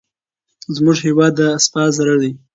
زموږ هېواد د اسیا زړه دی.